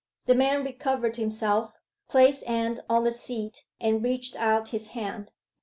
The man recovered himself, placed Anne on the seat, and reached out his hand.